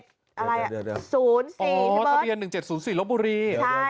อ๋อทะเบียน๑๗๐๔รถบุรี